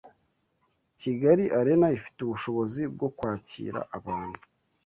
Kigali Arena ifite ubushobozi bwo kwakira abantu